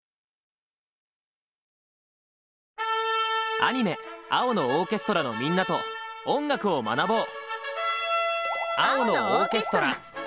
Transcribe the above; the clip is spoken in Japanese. アニメ「青のオーケストラ」のみんなと音楽を学ぼう！